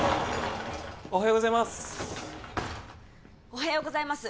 おはようございます